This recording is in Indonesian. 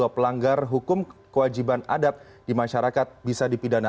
pelanggar hukum kewajiban adat di masyarakat bisa dipidana